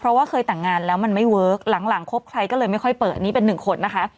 เพราะว่าเคยแต่งงานแล้วมันไม่เวิร์คหลังคบใครก็เลยไม่ค่อยเปิดนี่เป็นหนึ่งคนนะคะ